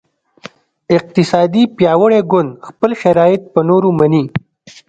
اقتصادي پیاوړی ګوند خپل شرایط په نورو مني